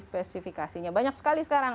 spesifikasinya banyak sekali sekarang